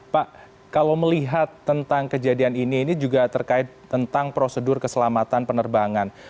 pak kalau melihat tentang kejadian ini ini juga terkait tentang prosedur keselamatan penerbangan